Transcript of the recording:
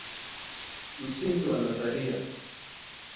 Msingi wa nadharia